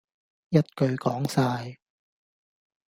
一句講曬